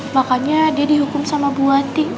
makanya dia dihukum sama bu ati